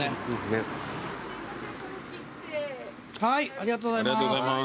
ありがとうございます。